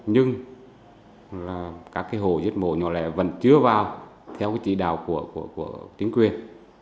nhưng các hồ giết mổ nhỏ lẻ vẫn chưa vào theo chỉ đạo của chính quyền